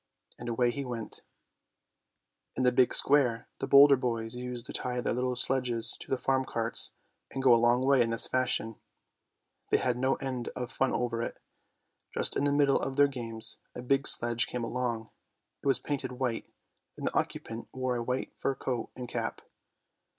" and away he went. THE SNOW QUEEN 191 In the big square the bolder boys used to tie their little sledges to the farm carts and go a long way in this fashion. They had no end of fun over it. Just in the middle of their games, a big sledge came along; it was painted white, and the occupant wore a white fur coat and cap.